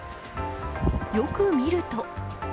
よく見ると。